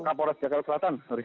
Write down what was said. wakafo udah sejak ke kelatan